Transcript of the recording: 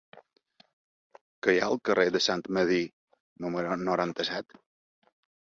Què hi ha al carrer de Sant Medir número noranta-set?